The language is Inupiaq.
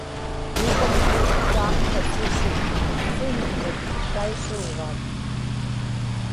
Kuuvagmiut taamna sisi siñmik taisuugaat